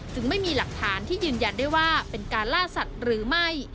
ไม่มีหลักฐานที่ยืนยันได้ว่าเป็นการล่าสัตว์หรือไม่